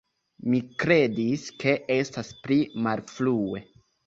Mi kredis, ke estas pli malfrue.